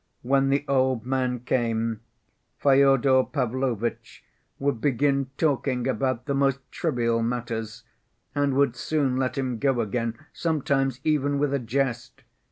When the old man came, Fyodor Pavlovitch would begin talking about the most trivial matters, and would soon let him go again, sometimes even with a jest.